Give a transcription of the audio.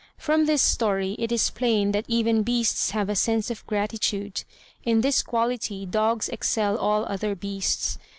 From this story, it is plain that even beasts have a sense of gratitude: in this quality dogs excel all other beasts.